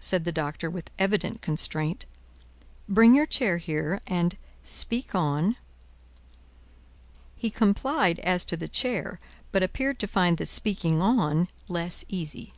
said the Doctor, with evident constraint. "Bring your chair here, and speak on." He complied as to the chair, but appeared to find the speaking on less easy.